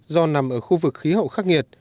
do nằm ở khu vực khí hậu khắc nghiệt